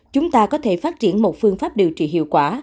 chúng ta có thể phát triển một phương pháp điều trị hiệu quả